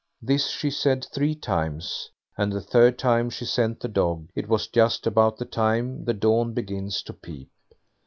This she said three times, and the third time she sent the dog it was just about the time the dawn begins to peep.